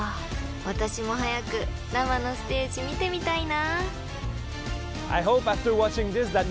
［私も早く生のステージ見てみたいな］